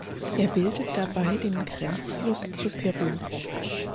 Er bildet dabei den Grenzfluss zu Peru.